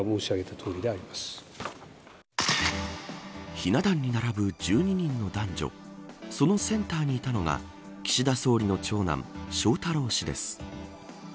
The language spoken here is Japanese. ひな壇に並ぶ１２人の男女そのセンターにいたのが岸田総理の長男、翔太郎氏です。